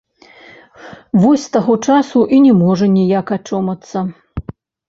Вось з таго часу і не можа ніяк ачомацца.